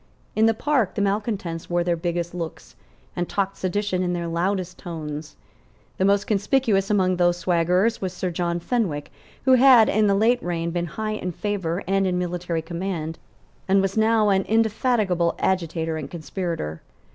In the Park the malecontents wore their biggest looks, and talked sedition in their loudest tones. The most conspicuous among these swaggerers was Sir John Fenwick, who had, in the late reign, been high in favour and in military command, and was now an indefatigable agitator and conspirator.